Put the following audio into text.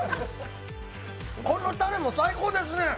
このたれも最高ですね。